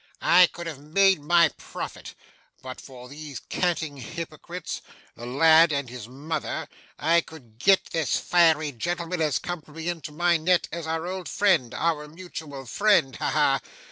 I could have made my profit. But for these canting hypocrites, the lad and his mother, I could get this fiery gentleman as comfortably into my net as our old friend our mutual friend, ha! ha!